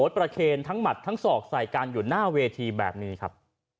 ประเคนทั้งหมัดทั้งศอกใส่กันอยู่หน้าเวทีแบบนี้ครับ